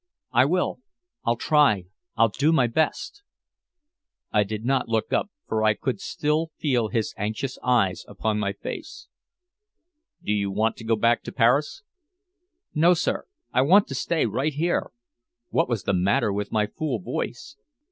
"I will. I'll try. I'll do my best." I did not look up, for I could still feel his anxious eyes upon my face. "Do you want to go back to Paris?" "No, sir! I want to stay right here!" What was the matter with my fool voice?